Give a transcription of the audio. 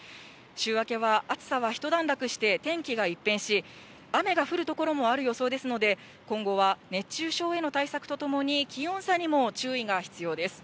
週明けは暑さは一段落して、天気が一変し、雨が降る所もある予想ですので、今後は熱中症への対策とともに、気温差にも注意が必要です。